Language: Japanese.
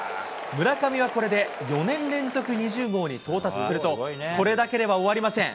村上はこれで４年連続２０号に到達すると、これだけでは終わりません。